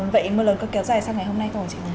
vậy mưa lớn có kéo dài sang ngày hôm nay không